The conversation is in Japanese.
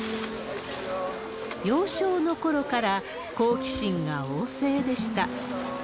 幼少のころから好奇心が旺盛でした。